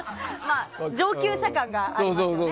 上級者感がありますね。